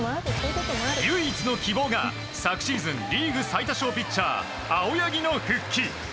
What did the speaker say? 唯一の希望が昨シーズンリーグ最多勝ピッチャー青柳の復帰。